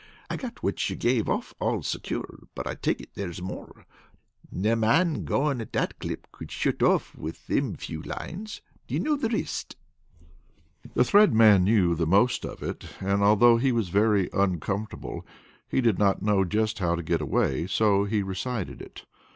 I got what you gave off all secure, but I take it there's more. No man goin' at that clip could shut off with thim few lines. Do you know the rist?" The Thread Man knew the most of it, and although he was very uncomfortable, he did not know just how to get away, so he recited it.